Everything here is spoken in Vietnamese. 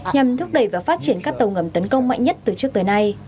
nhằm thúc đẩy và phát triển các tàu ngầm tấn công mạnh nhất từ trước tới nay